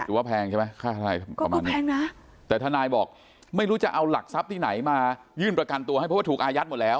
ว่าแพงใช่ไหมค่าทนายประมาณนี้แพงนะแต่ทนายบอกไม่รู้จะเอาหลักทรัพย์ที่ไหนมายื่นประกันตัวให้เพราะว่าถูกอายัดหมดแล้ว